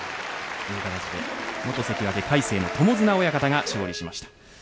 元関脇・魁聖の友綱親方が勝利しました。